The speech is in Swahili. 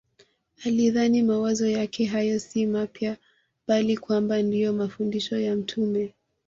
Alidhani mawazo yake hayo si mapya bali kwamba ndiyo mafundisho ya mtume